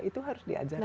itu harus diajarkan